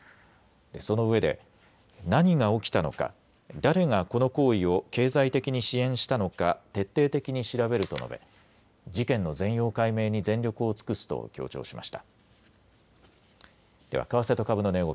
そのうえで何が起きたのか、誰がこの行為を経済的に支援したのか徹底的に調べると述べ、事件の全容解明に全力を尽くすと強調しました。